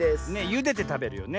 ゆでてたべるよね。